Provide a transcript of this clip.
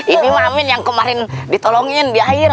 ini min yang kemarin ditolongin di air